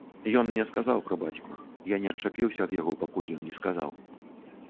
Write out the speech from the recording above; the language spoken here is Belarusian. Ён мне сказаў пра бацьку, я не адчапіўся ад яго, пакуль ён не сказаў.